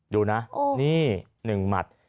ดูนะนี่๑หมัด